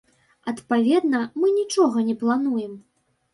Адпаведна, мы нічога не плануем.